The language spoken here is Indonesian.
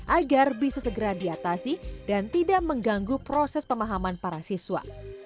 agar bisa segera diatasi dan tidak mengganggu proses pemahaman para siswa